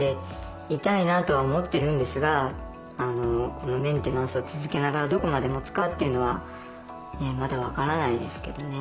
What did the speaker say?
このメンテナンスを続けながらどこまでもつかっていうのはまだ分からないですけどね。